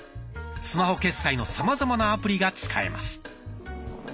スマホ決済のさまざまなアプリが使えます。